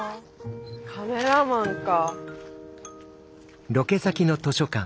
カメラマンか。